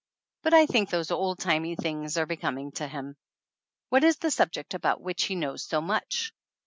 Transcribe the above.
But I think those old timey things are becoming to him!" "What is the subject about which he knows so much?"